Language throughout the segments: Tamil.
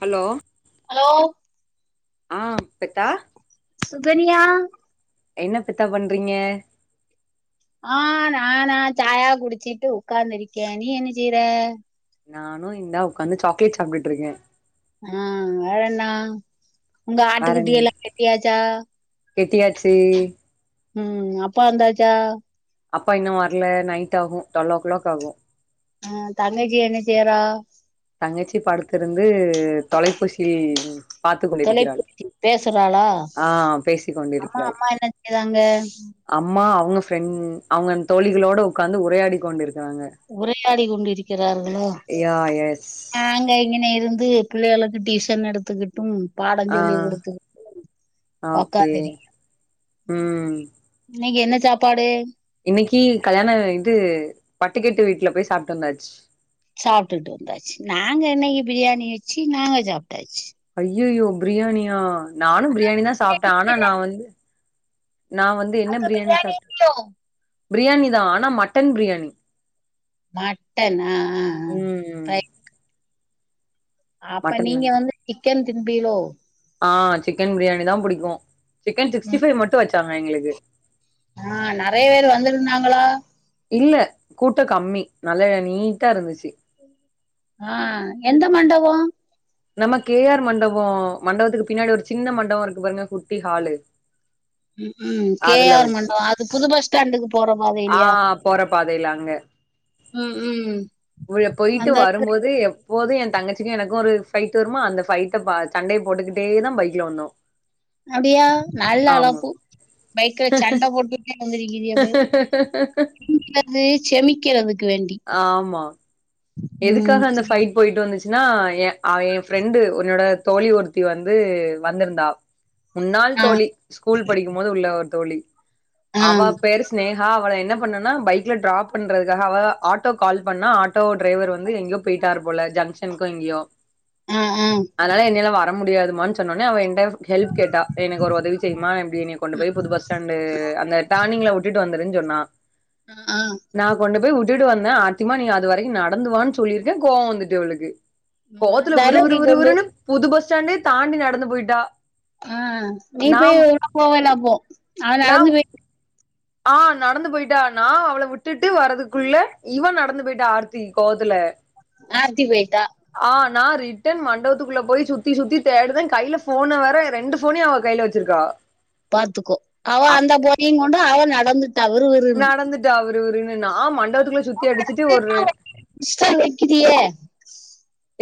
ஹலோ ஹலோ ஆ பெத்தா சுகன்யா என்ன பெத்தா பண்றீங்க ஆ நானா சாயா குடிச்சிட்டு உக்காந்திருக்கே நீ என்ன செய்ற நானு இந்தா உக்காந்து சாக்லேட் சாப்டுட்ருக்கே ஆ வேற என்னா உங்க ஆட்டுக்குட்டியல்லா கெட்டியாச்சா கெட்டியாச்சி ம் அப்பா வந்தாச்சா அப்பா இன்னு வரல நைட்டாகு டுவெல்லோ க்ளாக் ஆகு ஆ தங்கச்சி என்ன செய்றா தங்கச்சி படுத்துருந்து தொலைப்பூசி பாத்து கொண்டிருக்கிறாள் தொலைபேசி பேசுறாளா ஆ பேசிக் அம்மா கொண்டிருக்கிறாள் அம்மா என்ன செய்றாங்க அம்மா அவங்க ஃப்ரண்ட் அவங்க தோழிகளோட உக்காந்து உரையாடி கொண்டு இருக்குறாங்க உரையாடி கொண்டிருக்கிறார்களா யா எஸ் நாங்க இங்கன இருந்து பிள்ளைகளுக்கு டியூஷன் எடுத்துக்கிட் டும் பாடம் ஆ சொல்லி குடுத்துகிட்டும் ஓகே ஒக்காந்திரிக்கே ம் இன்னக்கி என்ன சாப்பாடு இன்னைக்கி கல்யாண இது பட்டுக்கெட்டு வீட்ல போய் சாப்ட்டு வந்தாச்சு சாப்ட்டுட் வந்தாச்சி நாங்க இன்னைக்கு பிரியாணி வெச்சி நாங்க சாப்ட்டாச்சி ஐயய்யோ ப்ரியாணியா நானு ப்ரியாணிதா சாப்ட்டே ஆனா நா வந்து நா வந்து என்ன அங்க ப்ரியாணி சாப்ட்டு பிரியாணியோ ப்ரியாணிதா ஆனா மட்டன் ப்ரியாணி மட்டனா ஆ ம் அ அப்ப மட்டன் நீங்க பிரியாணி. வந்து சிக்கன் திம்பீரோ ஆ சிக்கன் ப்ரியாணிதா புடிக்கு சிக்கன் சிக்ஸ்டி ஃபைவ் மட்டு வெச்சாங்க எங்ளுக்கு ஆ நறைய பேர் வந்திருந்தாங்களா இல்ல கூட்ட கம்மி நல்ல நீட்டா இருந்துச்சி ஆ எந்த மண்டபோ நம்ம கே ஆர் மண்டபோ மண்டபத்துக்கு பின்னாடி ஒரு சின்ன மண்டபோ இருக்கு பாருங்க குட்டி ஹாலு ம் ம் கே அதுல ஆர் வெச்சி மண்டபோ அது புது பஸ் ஸ்டாண்டுக்கு போற ஆ பாதையிலயா போற பாதைல அங்க ம் ம் உள்ள போய்ட்டு அந்த வரும்போது எப்போது எ தங்கச்சிக்கு எனக்கு ஒரு ஃபைட் வருமா அந்த ஃபைட்ட பா சண்டைய போட்டுக்கிட்டே தா பைக்ல வந்தோ அப்டியா நல்ல ஆமா அளப்பு பைக்ல சண்டே போட்டுட்டே வந்திருக்கீறிய பாரு தின்னது செமிக்கிறதுக்கு வேண்டி ஆமா ம் எதுக்காக அந்த சரி. ஃபைட் போய்ட் வந்துச்சுன்னா எ அவ எ ஃப்ரெண்டு என்னோட தோழி ஒருத்தி வந்து வந்திருந்தா முன்னாள் ஆ தோழி ஸ்கூல் படிக்கும்போது உள்ள ஒரு தோழி ஆ அவா பேர் ஸ்னே கா அவள என்ன பண்ணன்னா பைக்ல ட்ராப் பண்றதுக்காக அவ ஆட்டோக் கால் பண்ணா ஆட்டோ ட்ரைவர் வந்து எங்யோ போய்ட்டாரு போல ஜங்க்ஷன்க்கோ எங்யோ ஆ ஆ ஆ அதுனால என்யால வர முடியாதுமான் சொன்னொன்னே அவ என்ட ஹெல்ப் கேட்டா எனக் ஒரு ஒதவி செய்மா இப்டி என்னிய கொண்டு போய் புது பஸ் டாண்டு அந்த டார்னிங்ல உட்டுட்டு வந்துருன் சொன்னா ஆ நா கொண்டு போய் வுட்டுட்டு வந்தே ஆர்த்திமா நீ அது வரைக்கு நடந்து வா சொல்லீர்க்கே கோவோ வந்துட்டு அவளுக்கு ம், கோவத்துல அந்த விரு விரு அளவுக்கு விரு கொண்டு விருனு புது பஸ்டாண்டே தாண்டி நடந்து போய்ட்டா ஆ நீ போய் [inaudible] போவேல அப்போ அவ நடந்து நாம் போய் ஆ நடந்து போய்ட்டா நா அவள விட்டுட்டு வரதுக்குள்ள இவ நடந்து போய்ட்டா ஆர்த்தி கோவத்துல ஆர்த்தி போய்ட்டா ஆ நா ரிட்டன் மண்டபத்துக்குள்ள போய் சுத்தி சுத்தி தேடுறே கைல ஃபோன வேர எ ரெண்டு ஃபோனயு அவ கைல வெச்சிருக்கா பாத்துக்கோ அவ அந்த போனயு கொண்டு அவ நடந்துட்டா விரு விரு நடந்துட்டா விரு விருனு நா மண்டபத்துக்குள்ள சுத் தி அடிச்சிட்டு ஒரு ஸ்டால் வைக்கிறியே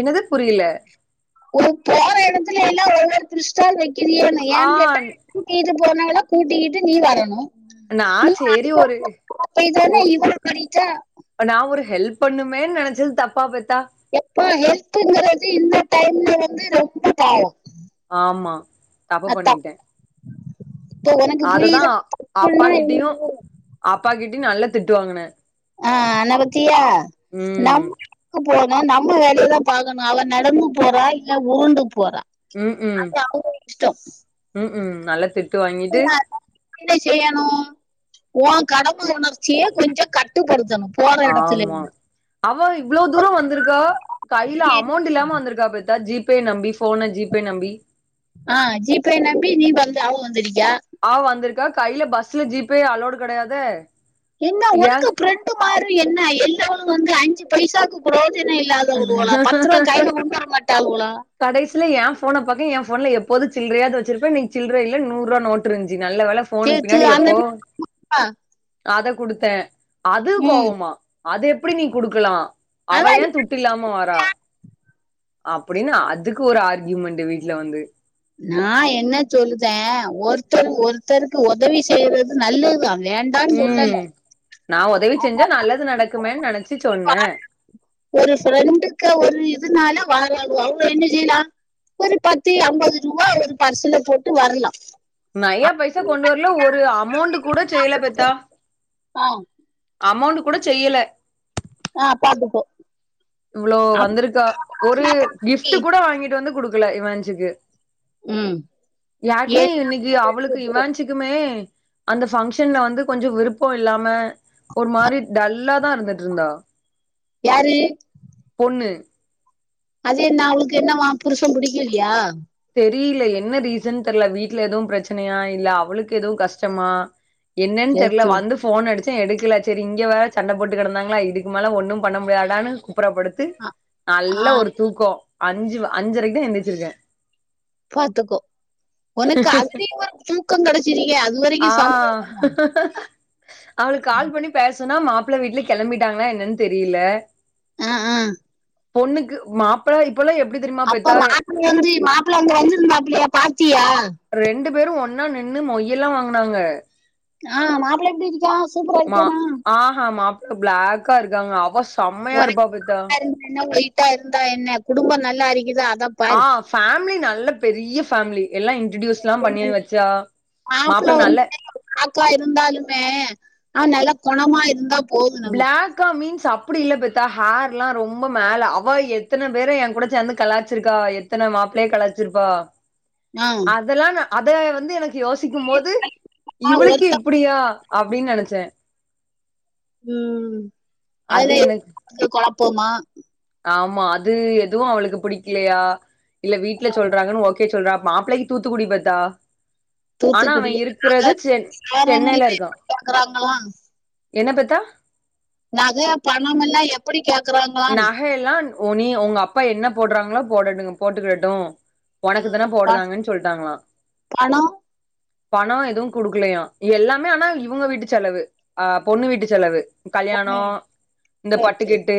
என்னது புரியில ஒரு போற எடத்துல எல்லா ஒவ்வொரு திருஷ்டால் வெக்கிறியோனு ஆ ஏன் கேட்டா கூட்டிகிட்டு போன ஆள கூட்டிகிட்டு நீ வரணு நா நீ அந்த சேரி ஒரு பக்கமா [inaudible] போய் தான இவ பண்ணீட்டா ப நா ஒரு ஹெல்ப் பண்ணுமேன் நெனச்சது தப்பா போய்த்தா எப்ப ஹெல்ப்புங்கிறது இந்த டைம்ல வந்து ரொம்ப பாவோ ஆமா தப்பு அதா பண்ணிட்டே இப்ப உனக்கு அதுதா புரியுதா அப்பா தப்புன்னா கிட்டயு என்னது அப்பா கிட்டயு நல்லா திட்டுவாங்குனே ஆ ஆனா பத்தியா ம் நம் க்கு போனா நம்ம வேலையதா பாக்கணு அவ நடந்து போறா இல்ல உருண்டு போற ம்கும் ம்கும் நல்லா திட்டு வாங்கிட்டு என்ன செய்யணு உன் கடம உணர்ச்சியை கொஞ்ச கட்டுப்படுத்தணு வேண்டா சொல்லு ஆமா அவ இவ்ளோ தூரோ வந்திருக்கா கையில அமௌண்ட் இல்லாம வந்திருக்கா அப்பத்தா ஜி பே நம்பி போனு ஜி பே நம்பி ஆ ஜி பே நம்பி நீ வந்தா அவ வந்திருக்கா அவ வந்திருக்கா கையில பஸ்ல ஜீ பே அலோடு கிடையாது என்ன உனக்கு ப்ரெண்டு மாரி என்ன எல்லவளு வந்து அஞ்சு பைசாக்கு ப்ரோஜனம் இல்லாதவோளா பத்து ரூபா கையில கொண்டு வர மாட்டாளோவுளா கடைசில என் போன பாக்க என் போன்ல எப்போது சில்றையாது வச்சிருப்ப இன்னைக் சில்ற இல்ல நூறுவா நோட்டு இருஞ்சு நல்லவேல போனுக்கு சேத்து பின்னாடி அந்த எப்போ அத குடுத்த அது ம் கோவமா அது எப்டி நீ குடுக்கலா அவ அதா நீ ஏன் து ட்டு இல்லாம வரா அப்டின்னு அதுக்கு ஒரு ஆர்கியூமெண்ட்டு வீட்ல வந்து நா என்ன சொல்லுதே ஒருத்தரு ஒருத்தருக்கு உதவி செய்றது நல்லது தா வேண்டான் ம் சொல்லல நா உதவி செஞ்சா நல்லது நடக்குமேன்னு நெனச்சி சொன்ன ஒரு ஃப்ரெண்டுக்கு ஒரு இதுனால வாரோல்வோ அவ்ள என்ன செய்லா ஒரு பத்து ஐம்பது ரூபா ஒரு பர்சல்ல போட்டு வர்லா நையா பைசா கொண்டு வர்ல ஒரு அமௌண்ட் கூட செய்யல அப்பத்தா அ அமௌண்ட் கூட செய்யல ஆ பாத்துக்கோ இவ்ளோ வந்திருக்கா ஒரு கிஃப்ட் கூட வாங்கிட்டு வந்து குடுக்கல என் மேரஜ்க்கு ம் யாருக்குமே ஏ- இன்னைக்கி அவளுக்கு இவஞ் த்துக்குமே அந்த பங்க்ஷன்ல வந்து கொஞ்ச விருப்போ இல்லாம ஒரு மாரி டல்லாதா இருந்துட்டு இருந்தா யாரு பொண்ணு அது என்ன அவுளுக்கு என்னாவா புருஷன் புடிக்கலயா தெரில என்ன ரீசன் தெர்ல வீட்ல எதுவு பிரச்சனையா இல்ல அவுளுக்கு எதுவு கஷ்டமா என்னென் தெர்ல சேர்த்து வந்து போன் அடிச்ச எடுக்கல செரி இங்க வேற சண்ட போட்டு கெடந்தாங்ளா இதுக்கு மேல ஒன்னு பண்ண முடியாடான்னு குப்பற படுத் து ஆ நல்ல ஒரு தூக்கோ அஞ்சு அஞ்சரைக்கு தா எந்திரிச்சிருக்க பாத்துக்கோ உனக்கு அதுலயு ஒரு தூக்கோ கெடைச்சிருக அது வரைக்கு சந்தோஷோ அவளுக் கால் பண்ணி பேசுன்னா மாப்ள வீட்ல கெளம்பிட்டாங்ளா என்னென் தெரில ஆ ஆ பொண்ணுக்கு மாப்ள அப்பல எப்டி தெரிமா அப்ப மாப்பிள வந்து மாப்பிள்ள அங்க வந்துருந்தபிளையா பாத்தியா ரெண்டு பேரு ஒன்னா நின்னு மொய்யலா வாங்குனாங்க ஆ மாப்பிள்ள எப்டி இருக்கான் சூப்பரா மா இருக்கனா ஆஹா மாப்ள பிளாக்கா இருக்காங்க அவ செம்மையா இருப்பா அப்பத்தா ஒயிட்டா இருந்தா என்ன யொட்டா இருந்தா என்ன குடும்போ நல்லா இருக்கிதா அத ஆ பாரு ஃபேமிலி நல்ல பெரிய ஃபேமிலி எல்லா இன் இன்டர்டியூஸெல்லா பண்ணி வெச்சா மாப்ள நல்ல அக்கா இருந்தாலுமே ஆ நல்லா குணமா இருந்தா போதும் நமக்கு பிளாக் க்கா மீன்ஸ் அப்டி இல்ல பெத்தா ஹேரெல்லா ரொம்ப மேல அவா எத்தன பேர என் கூட சேந்து கலாச்சிருக்கா எ எத்தன மாப்ளய கலாச்சிருப்பா ஆஹ் அதெல்லா நா அத வந்து எனக்கு யோசிக்கும்போது ஆஹ் இவளுக்கு ஒருத்த இப்டியா அப்டின்னு நெனைச்ச ம் அது அதுலே எனக்கு [inaudible] குழப்பமா ஆமா அது எதுவு அவளுக்கு புடிக்லையா இல்ல வீட்ல சொல்றாங்கன்னு ஓகே சொ ல்றா மாப்பிள்ளைக்கு தூத்துக்குடி பெத்தா ஆனா தூத்துக்குடி அவன் நகை இருக்கறது சென் சேரம் சென்னைல எல்லாம் இருக்கான் எப்படி கேக்குறாங்களாம் என்ன பெத்தா நக பணமெல்லா எப்டி கேக்கறாங்களான்னு நகையெல்லா உன் நீ உங்க அப்பா என்ன போடாறாங்ளோ போடடட்டுங் போட்டுகிடட்டு ஒனக்குத்தான ஆஹ் ப- போடுதாங்கன்னு சொல்லிட்டாங்ளா பணம் பணோ எதுவு குடுக்கலையா எல்லாமே ஆனா இவுங்க வீட்டு செலவு அ பொண்ணு வீட்டு செலவு கல்யாணோ பொண்ணு வீட்டு. இந்த சரி சரி பட்டுகெட்டு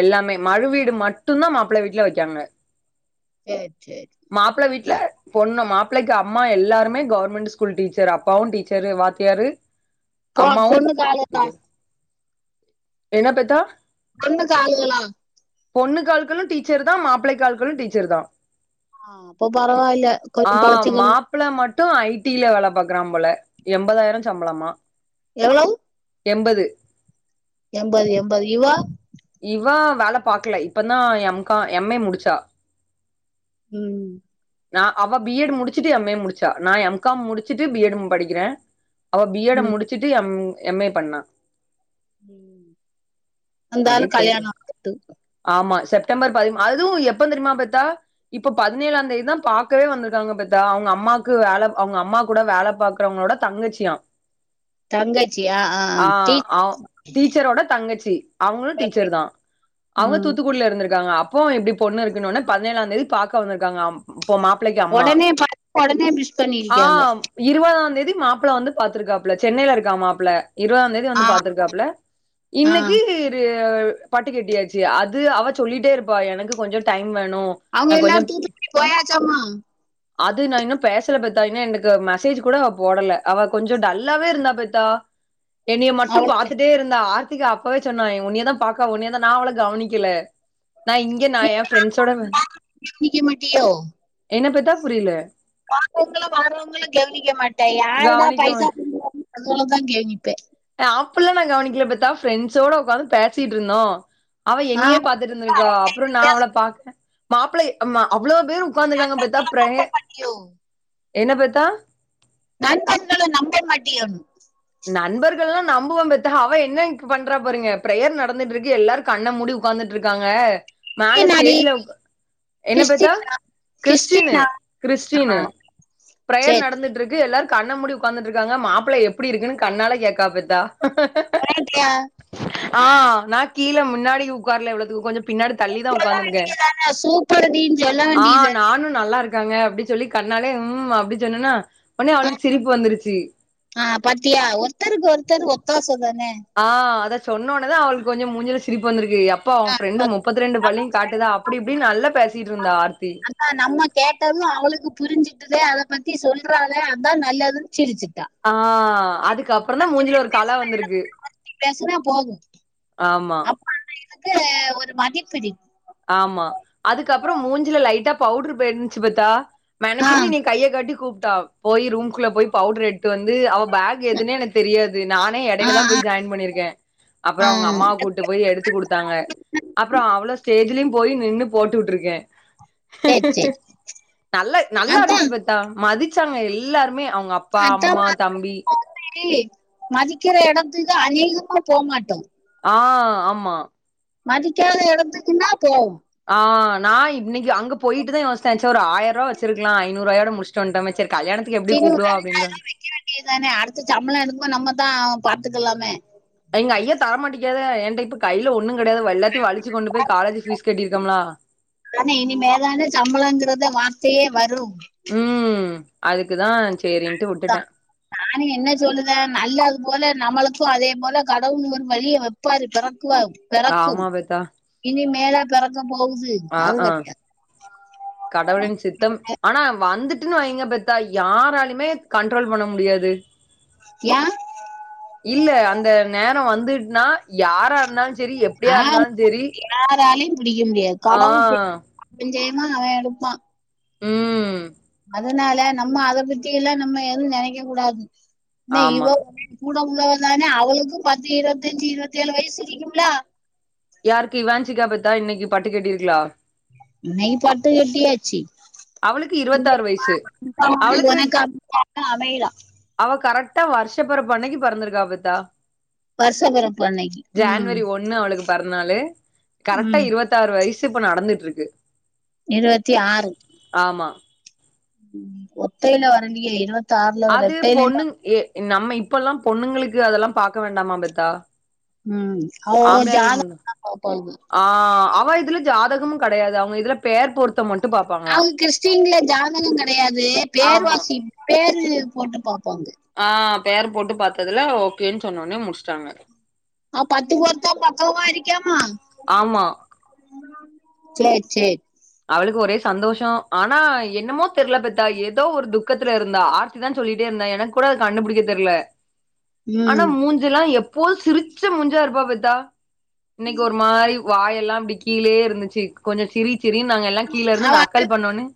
எல்லாமே மறு வீடு மட்டுந்தான் மாப்பிள்ள வீட்ல வெக்காங்க சேர் சேர் மாப்ள வீட்ல பொண்ணு மாப்பிள்ளைக்கு அம்மா எல்லாருமே கவர்மெண்ட் ஸ்கூல் டீச்சர் அப்பாவும் டீச்சரு வாத்தியாரு பொ அம்மாவு பொண்ணுக்கு ஆளுகளா என்ன பெத்தா சொந்தக்காளுகலா பொண்ணுக்கால்களு டீச்சர்தா மாப்பிளைக்கால்களும் டீச்சர்தா ஆ அப்போ பரவால கொஞ்சோ பொழைச்சுகுங் ப்பிள மட்டு ஐ டில வேல பாக்குறான் போல எண்பதாயிரோ சம்பளமா எவ்ளவ் எம்பது எம்பது எம்பது யுவா இவா வேல பாக்கல இப்பந்தான் எம் கா எம் ஏ முடிச்சா ம் நா அவ பி எட் முடிச்சுட்டு எம் ஏ முடிச்சா நா எம் காம் முடிச்சுட்டு பி எட்ம் படிக்கிற அவ பி எட ம் முடிச்சுட்டு எம் எம் ஏ பண்ணா ம் அப்டியே போயிடு ஆமா செப்டம்பர் பதி அதுவு எப்ப தெரிமா பெத்தா இப்ப பதினேழாந் தேதிதா பாக்கவே வந்திருக்காங்க பெத்தா அவுங்க அம்மாக்கு வேல அவூங்க அம்மா கூட வேல பாக் பாக்கறவங்களோட தங்கச்சியா ஆ அவ் டீச்சரோட தங்கச்சி அவுங்களு டீச்சர் டீச்சர்தா அவங்க ம் தூத்துக்குடியல இருந்திருக்காங்க அப்போ எப்டி பொண்ணு இருக்குனொன்ன ப முன்னலே வந்தது பாக்க வந்திருக்காங்ளா இப்போ மாப்பிள்ளைக்கு அம்மா உடனே பாத்து உடனே மிஸ் ஆ பண்ணிருக்காங்க இருவதாந்தேதி மாப்ள வந்து பாத்திருக்காப்ல சென்னைல இருக்கா மாப்ள இருவதாந் தே தி ஆ வந்து பாத்திருக்காப்ல ஆ இன்னக்கி இது பட்டு கெட்டியாச்சு அது அவ சொல்லிட்டே இருப்பா எனக்கு கொஞ்சோ டைம் வேணு அவுங்க நா கொஞ்சோ எல்லார் தூத்துக்குடி போயாச்சாமா அது நா இன்னு பேசல பெத்தா இன்னு எனக்கு மெசேஜ் கூட அவ போடல அவ கொஞ்சோ டல்லாவே இருந்தா பெத்தா என்னிய மட்டு அவளுக்கு பாத்துட்டே இருந்தா ஆர்த்திகா அப்பவே சொன்னா உன்னியேதா பாக்கா உன்னியேதா நா அவள கவனிக்கல நா இங்க நா நீங்க என் ஃப்ரெண்ஸ்ஸோட கவனிக்க மாட்டியோ என்ன பெத்தா புரியல போறவங்கல வாரவங்கல கவனிக்க மாட்ட யார்டா கவனிக்க பைசா குடுக்குறாங்க அவங்கலதா கவனிப்ப ஆ அப்டில்லா நா கவனிக்கல பெத்தா ஃப்ரெண்ட்ஸோட உக்காந்து பேசிட்ருந்தோ அவ ஆ என்னையே பாத்துட்டு இருந்துருக்கா அவங்கள்ட்ட அப்றோ என்ன நா அவள பாக்க மாப்பிள்ள ஆமா அவ்ளோ பேர் உக்காந்ருக்காங்க பெத்தா பிரய பேசாம மாட்டியோ என்ன பெத்தா நண்பன்கள நம்ப மாட்டியோன் நண்பர்கள்லா நம்புவ பெத்தா அவ என்ன என்க்கு பண்றா பாருங்க ப்ரேயர் நடந்துட்டு இருக்கு எல்லாருக் கண்ண மூடி உக்காந்துட் இருக்காங்க மேல கிறிஸ்டினாடி ஸ்டேஜ்ல என்ன பெத்தா கிறிஸ்டினா கிறிஸ்டினு கிறிஸ்டினா கிறிஸ்டினு பிரேயர் சரி நடந்துட் இருக்கு எல்லாரு கண்ண மூடி உக்காந்துட் இருக்காங்க மாப்பிள்ள எப்டி இருக்குனு கண்ணால கேக்கா பெத்தா நல்லாருப்பியா ஆ நா கீழ முன்னாடி உக்கார்ல இவ்ளோதுக்கு கொஞ்சோ பின்னாடி தள்ளிதா சொல்ல உக்காந்துருக்கே வேண்டியதானே சூப்பர் டீன்னு சொல்ல ஆ வேண்டியது நானு நல்லாருக்காங்க அப்டி சொல்லி கண்ணாலே ம் அப்படி சொன்னனா உடனே ஆ, அவளுக்கு சிரிப்பு வந்ருச்சு ஆ பாத்தியா ஒருத்தருக்கு ஒருத்தர் ஒத்தாச தான ஆ அத சொன்னோன்ன தா அவளுக்கு கொஞ்சோ மூஞ்சுல சிரிப்பு வந்ருக்கு அப்ப ஓ ஆ, ஃப்ரெண்டு பாத்து. முப்பத்த ரெண்டு நம்ம பல்லயு காட்டுதா அப்டி இப்டினு நல்லா பேசிட்டுந்தா ஆர்த்தி ஆ நம்ம கேட்டது அவளுக்கு புரிஞ்சுட்டுதே அத பத்தி சொல்றாலே அதா நல்லதுன் சிரிச்சுட்டா ஆ அதுக்கப்றோ தா பத்து மூஞ்சில பேர் ஒரு கல பேசுனா எனக்கு வந்ருக்கு ஒரு வார்த்தை ஆமா அது எனக்கு ஒரு மதிப்புடி ஆமா அதுக்கப்றோ மூஞ்சில லைட்டா பவுடரு போய்ருந்துச்சு பெத்தா ஆ மெனக்கட்டு கைய காட்டி கூப்ட்டா போய் ரூம் குள்ள போய் பவுடர் எட்டு வந்து அவ பேக் எதுனே எனக்கு தெரியாது நா நா ஆ இடைல தா ஆ போய் ஜாயின் பண்ணிருக்கே ஆ. அப்றம் அவங்க அம்மாவ கூட் கூட்டு போய் எடுத்து குடுத்தாங்க அப்றோ அவ்ளோ ஸ்டேஜ்லயு போய் நின்னு போட்டு விட்ருக்கே சரி சரி நல்ல நல்லா அதான் இருந்ச்சு பெத்தா மதிச்சாங்க எல்லாருமே அவங்க அப் அத்தமா கேப்பாஙக மதிக்கிற இடத்துக்கு அதிகமா போமாட்டே ஆ ஆமா மதிக்காத எடத்துக்குனா போ ஆ நா இன்னைக்கு அங்க போயிட்டுதா யோசிச்ச ச ஒரு ஆயருவ வச்சிருக்கலா ஐநூறுவாயோட முடிச்ட்டு வந்டோமே செரி கல்யணத்துக்கு எப்டி கூப்டுவா அப்படின் தா அ தானே அடுத்த சம்பள எடுக்குபோது நம்ம தா பாத்துக்கலாமே எங்க ஐயா தரமாட்டேங்கறாரே ஏன்ட்ட இப்ப கைல ஒன்னு கெடையாது எல்லாத்தியு வளிச்சு கொண்டு போய் காலேஜ் ஃபீஸ் கட்டிருக்கோம்ல ஏனா இனிமேதான சம்பளங்கிறது வார்த்தையே வரு ம் அதுக்குதா செரின்ட்டு விட்டுட்ட நானு என்ன சொல்லுத நல்ல அது போல நம்மளுக்கு அதே போல கடவுள் ஒரு வழிய வப்பாரு பிறக்குவாரு பெறக்கு ஆமா பெத்தா இனி மேல பெறக்க போவுது ஆ அ கடவுளின் சித்தம் ஆனா வந்துட்டுன் வைங்க பத்தா யாராலுமே கண்ட்ரோல் பண்ண முடியாது ஏன் இல்ல அந்த நேர வந்துட்டுன்னா யாரா இருந்தாலு செரி எப்டியா இருந்தாலு செரி யாராலயு பிடிக்க முடியா ஆ கடவுள் [inaudible] ஜெயமா அவ எடுப்பா ம் அதனால நம்ம அத பத்தி எல்லா நம்ம எது நெனக்க கூடாது என்ன ஆமா இவ [inaudible] கூட உள்ளவ தான அவளுக்கு பத்து இருவத்தஞ்சு இருவத்தேழு வயசு இருக்கும்ல யாருக்கு இவான்சிக்கா பெத்தா இன்னக்கி பட்டு கெட்டிர்க்லா இன்னைக்கு பட்டு கட்டியாச்சி அவளுக்கு இருவத்தாறு வயசு [inaudible] அவளுக்கு ஒனக் [inaudible] அமைதா அவ கரெக்டா வருஷப்பெறப்பு அன்னைக்கு பெறந்திருக்கா பெத்தா வருஷ பிறப்பு அன்னைக்கு உம் ஜேன்வரி ஒண்ணு அவுளுக்கு பெறந்நாளு கரெக்ட்டா உம் இருவத் தாறு வயசு இப்ப நடந்துட்ருக்கு இருவத்தி ஆறு ஆமா ம் ஒத்தைல வருன்டி இருவத்தாருல வரா ரெட்டைல [inaudible] ன் நம்ம இப்பெல்லா பொண்ணுங்களுக்கு அதெல்லா பாக்க வேண்டாமா பெத்தா ம் ஓ ஆம்பளையாளுக்கு ஜாதக மட்டு [inaudible] ஆ அவ இதுல ஜாதகமு கெடயாது அவுங்க இதுல பேர் பொருத் த்தம் மட்டும் பாப்பாங் அவுங் கிறிஸ்டீன்ல ஜாதக கெடயாது ஆமா பேர்வாசிப் பேரு போட்டு பாப்பாங்க ஆ பேர் போட்டு பாத்ததுல ஓக்கேன் சொன்னவொன்னே முடிச்ட்டாங்க ஆ பத்து பொருத்தம் பக்கவா இருக்கீமா ஆம்மா சேர் சேர் அவுளுக்கு ஒரே சந்தோஷோ ஆனா என்னமோ தெர்ல அப்பத்தா ஏதோ ஒரு துக் கத்துல இருந்தா ஆர்த்தி தா சொல்லிட்டே இருந்தா எனக் கூட அது கண்டுபிடிக்க தெரில ஆனா ம் மூஞ் சிலா எப்போது சிரிச்ச மூஞ்சா இருப்பா பெத்தா இன்னைக்கு ஒரு மாரி வாயெல்லா இப்டிக் கீழயே இருந்துச்சு கொஞ்சோ சிரி சிரின்னு நாங்க எல்லா கீழ அவ இருந்து நக்கல் அழுவுறா பண்ண ஒட்னே